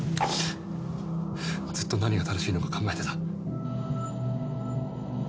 ずっと何が正しいのか考えてた。